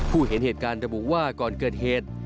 เห็นเหตุการณ์ระบุว่าก่อนเกิดเหตุ